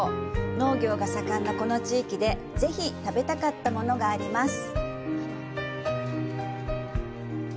農業が盛んなこの地域でぜひ食べたかったものがあります。